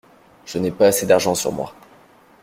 Je n’ai pas assez d’argent sur moi.